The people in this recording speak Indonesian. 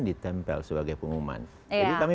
ditempel sebagai pengumuman jadi kami